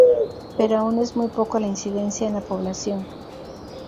Pero aún es muy poco la incidencia en la población.